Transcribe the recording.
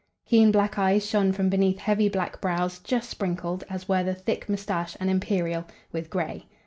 Keen black eyes shone from beneath heavy black brows, just sprinkled, as were the thick moustache and imperial, with gray.